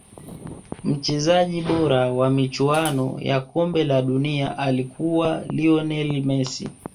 mchezaji bora wa michuano ya kombe la dunia alikuwa lionel messi